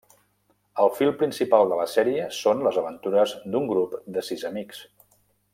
El fil principal de la sèrie són les aventures d'un grup de sis amics.